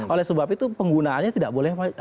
oleh sebab itu penggunaannya tidak boleh